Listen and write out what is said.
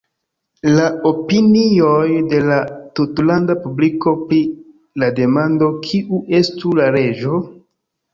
La opinioj de la tutlanda publiko pri la demando "kiu estu la reĝo?